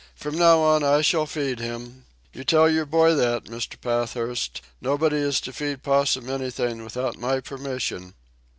From now on I shall feed him. You tell your boy that, Mr. Pathurst. Nobody is to feed Possum anything without my permission."